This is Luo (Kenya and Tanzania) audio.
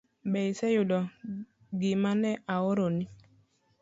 Be iseyudo gimane aoroni?